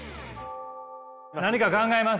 何か考えます？